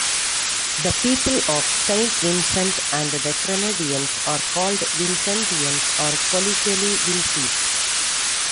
The people of Saint Vincent and the Grenadines are called Vincentians, or colloquially "Vincies".